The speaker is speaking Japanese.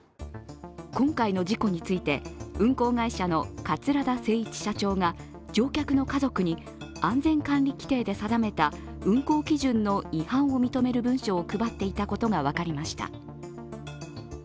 今回の事故について運航会社の桂田精一社長が乗客の家族に安全管理規程で定めた運航基準の違反を認める文書を配っていたことが分かりました。